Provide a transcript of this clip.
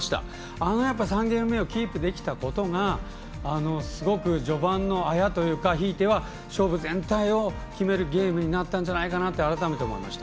あの３ゲーム目をキープできたことがすごく序盤のあやというかひいては勝負全体を決めるゲームになったんじゃないかなと改めて思いました。